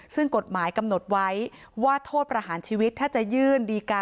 ซึ่งกฎหมายกำหนดไว้ว่าโทษประหารชีวิตถ้าจะยื่นดีการ